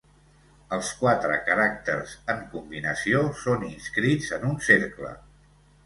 Els quatre caràcters en combinació són inscrits en un cercle.